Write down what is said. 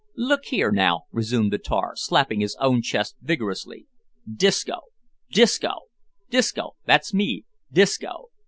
"Look here, now," resumed the tar, slapping his own chest vigorously, "Disco, Disco, Disco, that's me Disco.